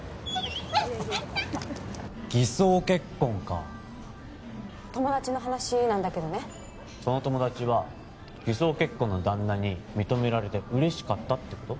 偽装結婚か友達の話なんだけどねその友達は偽装結婚の旦那に認められて嬉しかったってこと？